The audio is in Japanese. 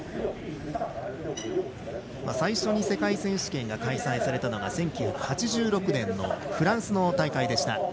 最初に世界選手権が開催されたのが１９８６年のフランスの大会でした。